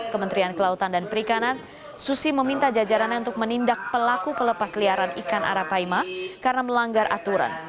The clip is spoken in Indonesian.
kementerian kelautan dan perikanan susi meminta jajarannya untuk menindak pelaku pelepas liaran ikan arapaima karena melanggar aturan